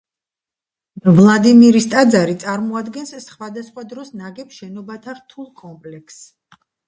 ვლადიმირის ტაძარი წარმოადგენს სხვადასხვა დროს ნაგებ შენობათა რთულ კომპლექსს.